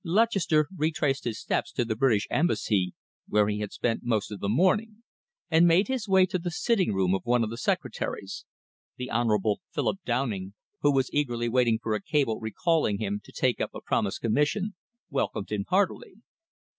Lutchester retraced his steps to the British Embassy, where he had spent most of the morning, and made his way to the sitting room of one of the secretaries. The Honourable Philip Downing, who was eagerly waiting for a cable recalling him to take up a promised commission, welcomed him heartily.